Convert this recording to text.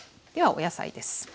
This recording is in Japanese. ではお野菜です。